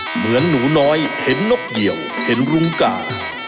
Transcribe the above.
เหมือนหนูน้อยเห็นนกเกี่ยวเห็นรุ้งกา